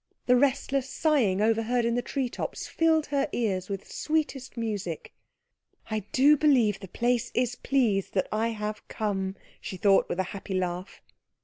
The restless sighing overheard in the tree tops filled her ears with sweetest music. "I do believe the place is pleased that I have come!" she thought, with a happy laugh.